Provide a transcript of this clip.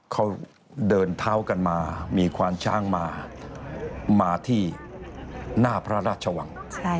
เขาเดินเท้ากันมามีควานช้างมามาที่หน้าพระราชวัง